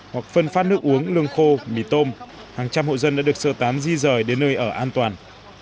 hoặc phân phát nước uống lương khô mì tôm hàng trăm hộ dân đã được sơ tán di rời đến nơi ở an toàn